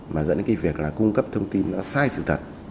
mà dẫn đến việc cung cấp thông tin sai sự thật